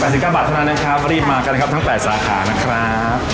๙บาทเท่านั้นนะครับรีบมากันนะครับทั้ง๘สาขานะครับ